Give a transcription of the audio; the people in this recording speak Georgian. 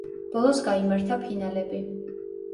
ბოლოს გაიმართა ფინალები.